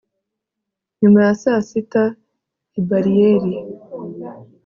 nyuma ya saa sita i bariyeri